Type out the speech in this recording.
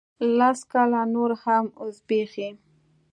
لس کاله نور هم وزبیښي